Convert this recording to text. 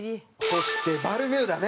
そしてバルミューダね。